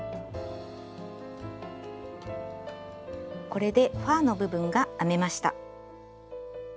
これでファーの部分が編めました。